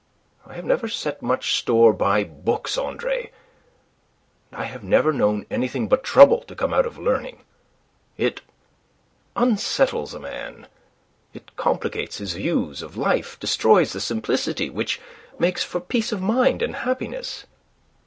I have never set much store by books, Andre; and I have never known anything but trouble to come out of learning. It unsettles a man. It complicates his views of life, destroys the simplicity which makes for peace of mind and happiness.